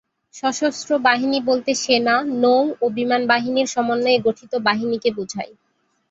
সশস্ত্র বাহিনী বলতে সেনা, নৌ ও বিমান বাহিনীর সমন্বয়ে গঠিত বাহিনীকে বোঝায়।